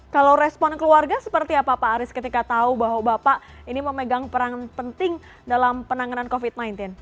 kalau respon keluarga seperti apa pak aris ketika tahu bahwa bapak ini memegang peran penting dalam penanganan covid sembilan belas